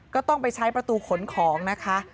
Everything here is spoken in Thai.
ก็ต้องไปใช้ประตูขนของนะคะ